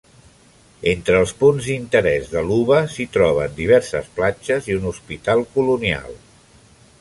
Entre els punts d'interès de Luba s'hi troben diverses platges i un hospital colonial.